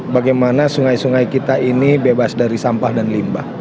bagaimana sungai sungai kita ini bebas dari sampah dan limbah